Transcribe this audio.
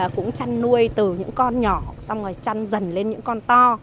cũng chăn nuôi từ những con nhỏ xong rồi chăn dần lên những con to